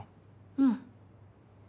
うん。